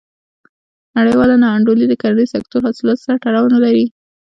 نړیواله نا انډولي د کرنیز سکتور حاصلاتو سره تړاو نه لري.